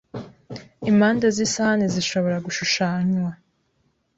Impande z'isahani zishobora gushushanywa